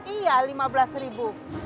iya lima belas ribu